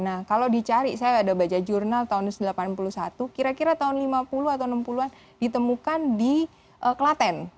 nah kalau dicari saya ada baca jurnal tahun seribu sembilan ratus delapan puluh satu kira kira tahun lima puluh atau enam puluh an ditemukan di klaten